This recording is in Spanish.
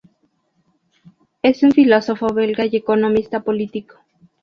Es un filósofo belga y economista político.